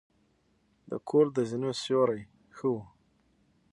د کور د زینو سیوري ښه وه.